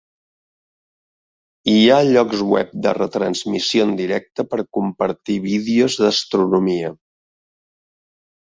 Hi ha llocs web de retransmissió en directe per compartir vídeos d'astronomia.